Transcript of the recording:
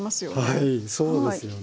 はいそうですよね。